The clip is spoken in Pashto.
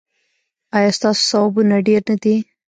ایا ستاسو ثوابونه ډیر نه دي؟